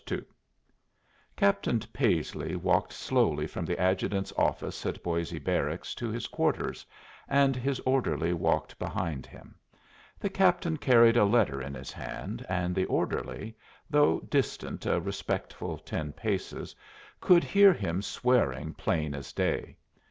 II Captain Paisley walked slowly from the adjutant's office at Boisé Barracks to his quarters, and his orderly walked behind him. The captain carried a letter in his hand, and the orderly, though distant a respectful ten paces, could hear him swearing plain as day.